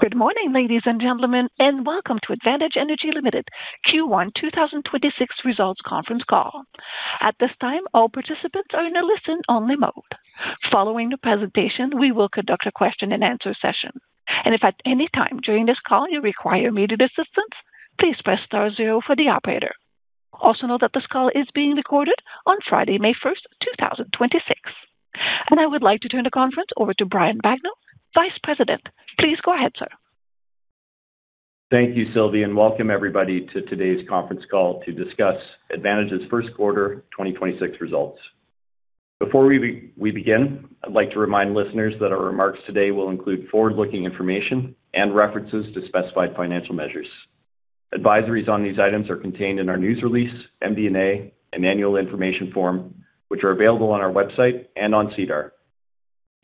Good morning, ladies and gentlemen, and welcome to Advantage Energy Ltd. Q1 2026 results conference call. At this time, all participants are in a listen-only mode. Following the presentation, we will conduct a question and answer session. If at any time during this call you require immediate assistance, please press star zero for the operator. This call is being recorded on Friday, May 1, 2026. I would like to turn the conference over to Brian Bagnell, Vice President. Please go ahead, sir. Thank you, Sylvie, and welcome everybody to today's conference call to discuss Advantage's first quarter 2026 results. Before we begin, I'd like to remind listeners that our remarks today will include forward-looking information and references to specified financial measures. Advisories on these items are contained in our news release, MD&A, and annual information form, which are available on our website and on SEDAR.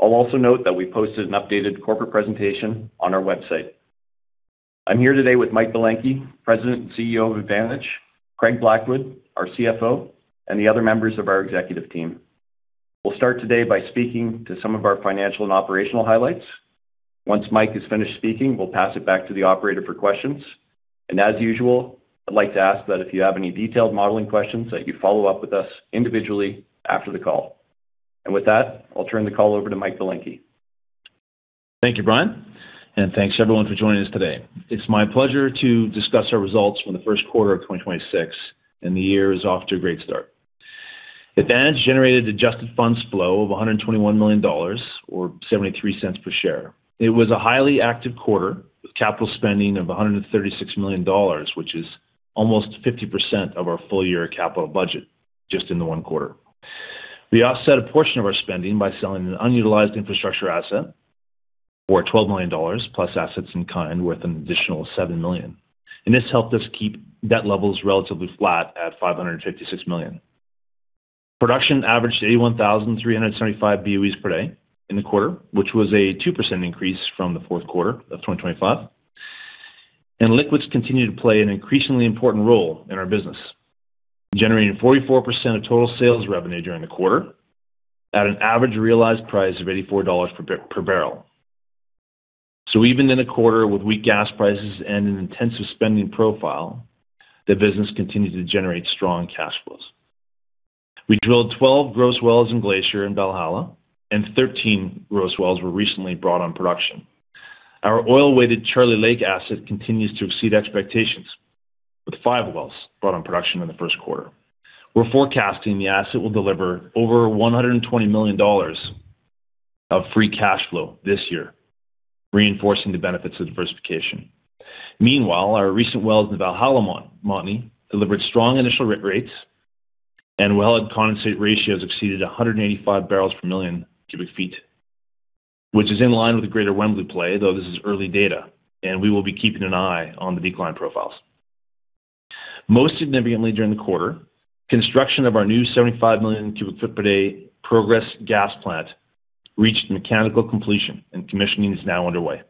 I'll also note that we posted an updated corporate presentation on our website. I'm here today with Mike Belenkie, President and CEO of Advantage, Craig Blackwood, our CFO, and the other members of our executive team. We'll start today by speaking to some of our financial and operational highlights. Once Mike is finished speaking, we'll pass it back to the operator for questions. As usual, I'd like to ask that if you have any detailed modeling questions, that you follow up with us individually after the call. With that, I'll turn the call over to Mike Belenkie. Thank you, Brian. Thanks everyone for joining us today. It's my pleasure to discuss our results from the first quarter of 2026, and the year is off to a great start. Advantage generated adjusted funds flow of 121 million dollars, or 0.73 per share. It was a highly active quarter, with capital spending of 136 million dollars, which is almost 50% of our full-year capital budget just in the one quarter. We offset a portion of our spending by selling an unutilized infrastructure asset for 12 million dollars, plus assets in kind worth an additional 7 million. This helped us keep debt levels relatively flat at 556 million. Production averaged 81,375 BOEs per day in the quarter, which was a 2% increase from the fourth quarter of 2025. Liquids continue to play an increasingly important role in our business, generating 44% of total sales revenue during the quarter at an average realized price of 84 dollars per barrel. Even in a quarter with weak gas prices and an intensive spending profile, the business continued to generate strong cash flows. We drilled 12 gross wells in Glacier and Valhalla, and 13 gross wells were recently brought on production. Our oil-weighted Charlie Lake asset continues to exceed expectations, with five wells brought on production in the first quarter. We're forecasting the asset will deliver over 120 million dollars of free cash flow this year, reinforcing the benefits of diversification. Meanwhile, our recent wells in Valhalla Montney delivered strong initial rates, wellhead condensate ratios exceeded 185 barrels per million cu ft, which is in line with the greater Wembley play. Though this is early data, we will be keeping an eye on the decline profiles. Most significantly, during the quarter, construction of our new 75 million cubic foot per day Progress gas plant reached mechanical completion, and commissioning is now underway.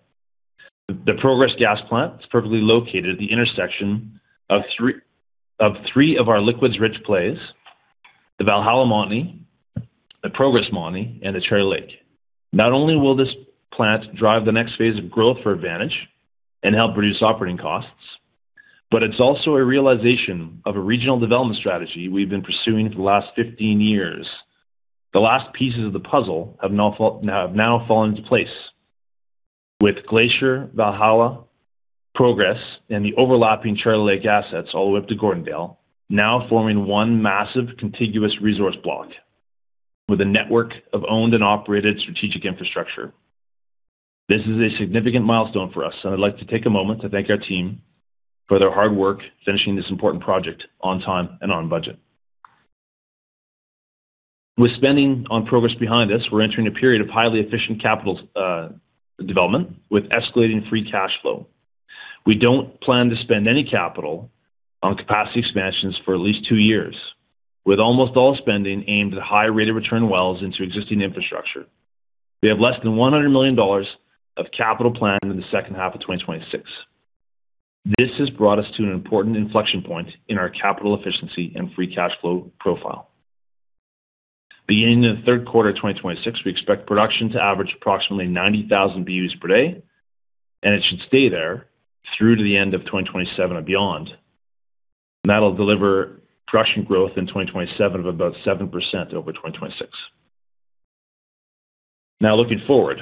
The Progress gas plant is perfectly located at the intersection of three of our liquids-rich plays, the Valhalla Montney, the Progress Montney, and the Charlie Lake. Not only will this plant drive the next phase of growth for Advantage and help reduce operating costs, but it's also a realization of a regional development strategy we've been pursuing for the last 15 years. The last pieces of the puzzle have now fallen into place with Glacier, Valhalla, Progress, and the overlapping Charlie Lake assets all the way up to Gordondale now forming one massive contiguous resource block with a network of owned and operated strategic infrastructure. This is a significant milestone for us, and I'd like to take a moment to thank our team for their hard work finishing this important project on time and on budget. With spending on Progress behind us, we're entering a period of highly efficient capital development with escalating free cash flow. We don't plan to spend any capital on capacity expansions for at least two years. With almost all spending aimed at high-rate-of-return wells into existing infrastructure, we have less than 100 million dollars of capital planned in the second half of 2026. This has brought us to an important inflection point in our capital efficiency and free cash flow profile. Beginning in the third quarter of 2026, we expect production to average approximately 90,000 BOEs per day, and it should stay there through to the end of 2027 and beyond. That'll deliver production growth in 2027 of about 7% over 2026. Looking forward,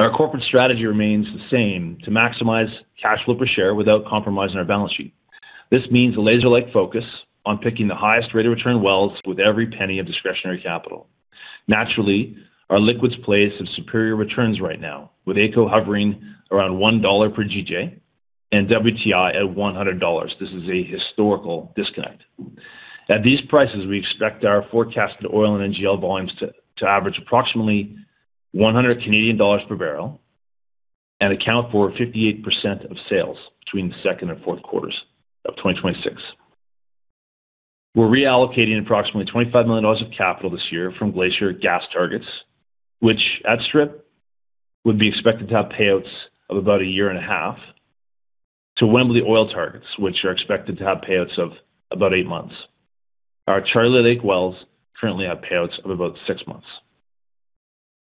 our corporate strategy remains the same to maximize cash flow per share without compromising our balance sheet. This means a laser-like focus on picking the highest rate of return wells with every penny of discretionary capital. Our liquids plays have superior returns right now, with AECO hovering around 1 dollar per GJ and WTI at 100 dollars. This is a historical disconnect. At these prices, we expect our forecasted oil and NGL volumes to average approximately 100 Canadian dollars per barrel and account for 58% of sales between the second and fourth quarters of 2026. We're reallocating approximately 25 million dollars of capital this year from Glacier Gas targets, which at strip would be expected to have payouts of about a year and a half, to Wembley oil targets, which are expected to have payouts of about eight months. Our Charlie Lake wells currently have payouts of about six months.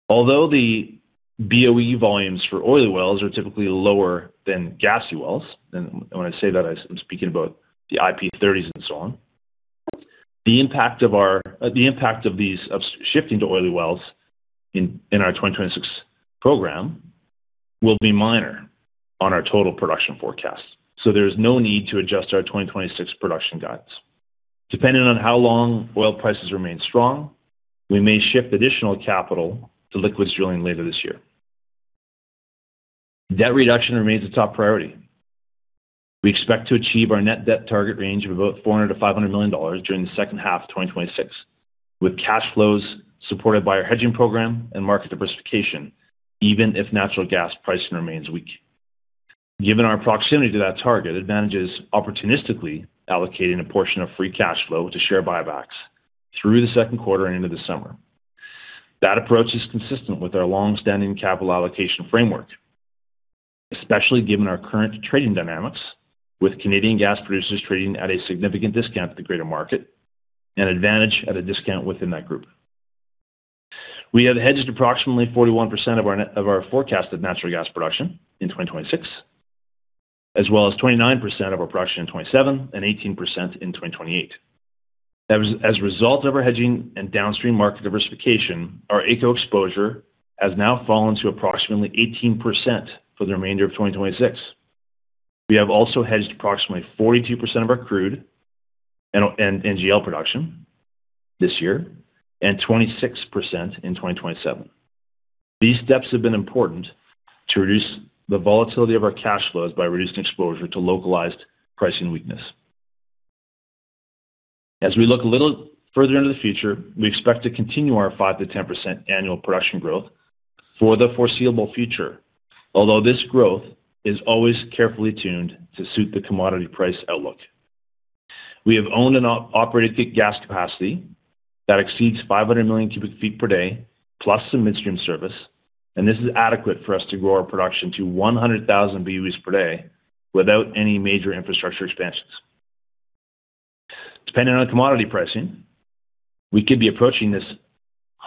Although the BOE volumes for oily wells are typically lower than gassy wells, and when I say that, I'm speaking about the IP30s and so on. The impact of these, of shifting to oily wells in our 2026 program, will be minor on our total production forecast, so there is no need to adjust our 2026 production guides. Depending on how long oil prices remain strong, we may shift additional capital to liquids drilling later this year. Debt reduction remains a top priority. We expect to achieve our net debt target range of about 400 million-500 million dollars during the second half of 2026, with cash flows supported by our hedging program and market diversification, even if natural gas pricing remains weak. Given our proximity to that target, Advantage is opportunistically allocating a portion of free cash flow to share buybacks through the second quarter and into the summer. That approach is consistent with our long-standing capital allocation framework, especially given our current trading dynamics with Canadian gas producers trading at a significant discount to the greater market and Advantage at a discount within that group. We have hedged approximately 41% of our net of our forecasted natural gas production in 2026, as well as 29% of our production in 2027 and 18% in 2028. As a result of our hedging and downstream market diversification, our AECO exposure has now fallen to approximately 18% for the remainder of 2026. We have also hedged approximately 42% of our crude and NGL production this year and 26% in 2027. These steps have been important to reduce the volatility of our cash flows by reducing exposure to localized pricing weakness. As we look a little further into the future, we expect to continue our 5%-10% annual production growth for the foreseeable future. This growth is always carefully tuned to suit the commodity price outlook. We have owned and operated gas capacity that exceeds 500 million cu ft per day, plus some midstream service. This is adequate for us to grow our production to 100,000 BOEs per day without any major infrastructure expansions. Depending on commodity pricing, we could be approaching this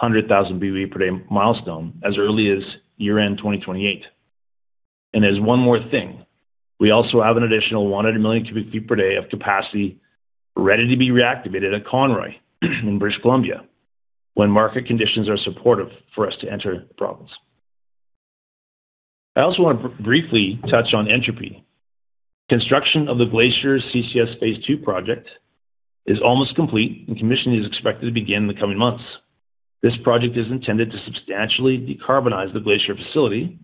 100,000 BOE per day milestone as early as year-end 2028. There's one more thing. We also have an additional 100 million cu ft per day of capacity ready to be reactivated at Conroy in British Columbia when market conditions are supportive for us to enter the province. I also want to briefly touch on Entropy. Construction of the Glacier CCS phase 2 project is almost complete, and commissioning is expected to begin in the coming months. This project is intended to substantially decarbonize the Glacier facility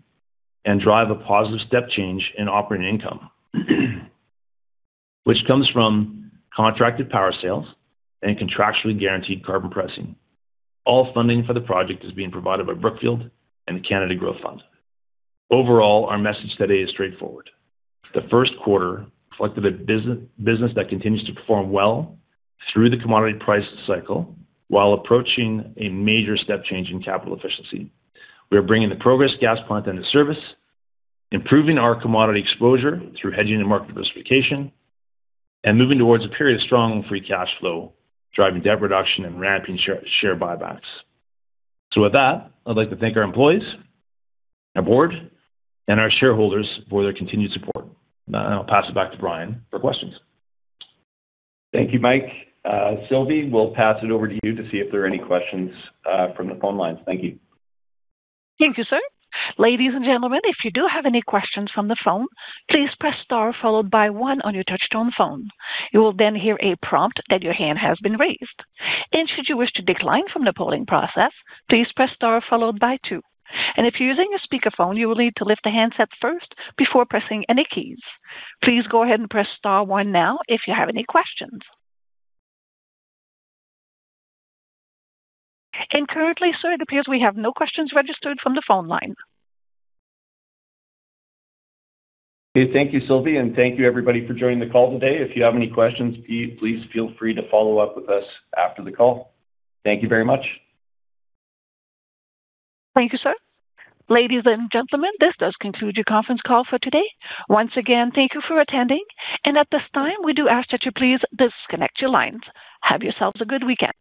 and drive a positive step change in operating income, which comes from contracted power sales and contractually guaranteed carbon pricing. All funding for the project is being provided by Brookfield and the Canada Growth Fund. Overall, our message today is straightforward. The first quarter reflected a business that continues to perform well through the commodity price cycle while approaching a major step change in capital efficiency. We are bringing the Progress gas plant into service, improving our commodity exposure through hedging and market diversification, and moving towards a period of strong free cash flow, driving debt reduction and ramping share buybacks. With that, I'd like to thank our employees, our board, and our shareholders for their continued support. Now I'll pass it back to Brian for questions. Thank you, Mike. Sylvie, we'll pass it over to you to see if there are any questions from the phone lines. Thank you. Thank you, sir. Ladies and gentlemen, if you do have any questions from the phone, please press star followed by one on your touch-tone phone. You will then hear a prompt that your hand has been raised. Should you wish to decline from the polling process, please press star followed by two. If you're using a speakerphone, you will need to lift the handset first before pressing any keys. Please go ahead and press star one now if you have any questions. Currently, sir, it appears we have no questions registered from the phone line. Okay. Thank you, Sylvie, and thank you, everybody, for joining the call today. If you have any questions, please feel free to follow up with us after the call. Thank you very much. Thank you, sir. Ladies and gentlemen, this does conclude your conference call for today. Once again, thank you for attending. At this time, we do ask that you please disconnect your lines. Have yourselves a good weekend.